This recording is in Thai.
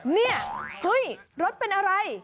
เนี่ยเฮ้ยรถเป็นอะไร